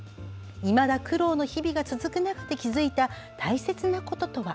いまだ苦労の日々が続く中で気付いた大切なこととは。